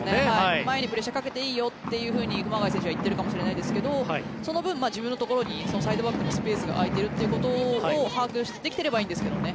前にプレッシャーをかけていいよと熊谷選手は言っているかもしれないですけどその分、自分のところにサイドバックのスペースが空いていることを把握できていればいいんですけどね。